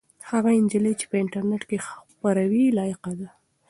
هغه نجلۍ چې په انټرنيټ کې خپروي لایقه ده.